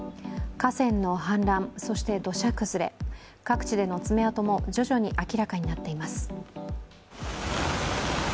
河川の氾濫、土砂崩れ、各地での爪痕も徐々に明らかになっています。